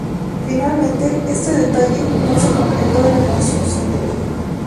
Finalmente, este detalle no se concretó en la construcción.